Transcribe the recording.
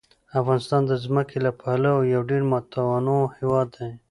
افغانستان د ځمکه له پلوه یو ډېر متنوع هېواد دی.